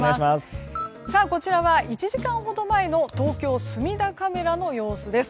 こちらは、１時間ほど前の東京・墨田カメラの様子です。